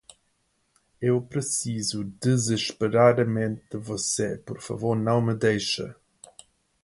Eu preciso desesperadamente de você, por favor não me deixa